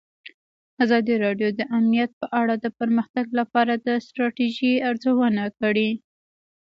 ازادي راډیو د امنیت په اړه د پرمختګ لپاره د ستراتیژۍ ارزونه کړې.